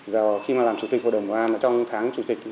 rồi khi mà làm chủ tịch hội đồng bảo an trong tháng chủ tịch